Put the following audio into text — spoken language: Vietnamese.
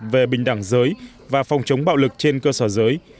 về bình đẳng giới và phòng chống bạo lực trên cơ sở giới